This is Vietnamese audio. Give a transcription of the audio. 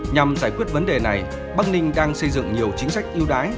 nhằm giải quyết vấn đề này bắc ninh đang xây dựng nhiều chính sách yêu đái